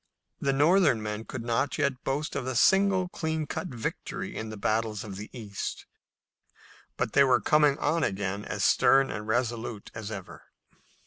The Northern men could not yet boast of a single clean cut victory in the battles of the east, but they were coming on again as stern and resolute as ever.